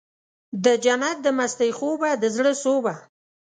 دجنت د مستۍ خوبه د زړه سوبه